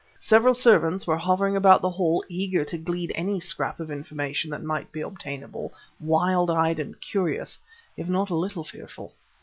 Several servants were hovering about the hall eager to glean any scrap of information that might be obtainable; wide eyed and curious, if not a little fearful.